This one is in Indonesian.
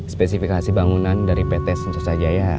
spesifikasi bangunan dari pt sentosa jaya